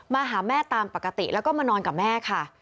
มาหาแม่ตามปกติแล้วก็มานอนกับแม่ค่ะ